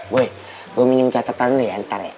boy gue minum catatan lu ya ntar ya